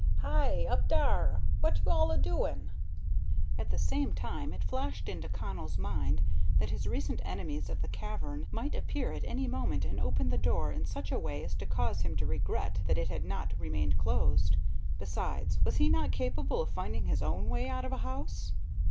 "Hi! up dar. What you all a doin'?" At the same time it flashed into Connell's mind that his recent enemies of the cavern might appear at any moment and open the door in such a way as to cause him to regret that it had not remained closed. Besides, was he not capable of finding his own way out of a house?